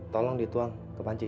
tolong dituang ke panci